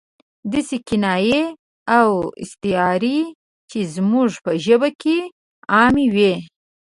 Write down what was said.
داسې کنایې او استعارې چې زموږ په ژبه کې عامې وي.